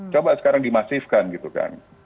coba sekarang dimasifkan gitu kan